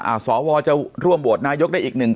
อ่าสวจะร่วมบวชนายกได้อีกหนึ่ง